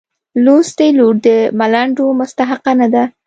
لوستې لور د ملنډو مستحقه نه ده.